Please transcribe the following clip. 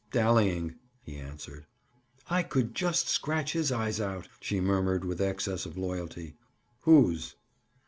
"Dallying," he answered. "I could just scratch his eyes out," she murmured with excess of loyalty. "Whose?"